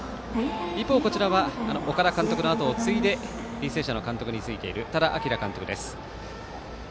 一方、こちらは岡田監督のあとを継いで履正社の監督についている多田晃監督です。